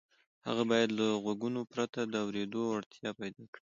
هغه باید له غوږونو پرته د اورېدو وړتیا پیدا کړي